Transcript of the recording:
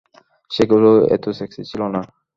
সেগুলি এতো সেক্সি ছিল না।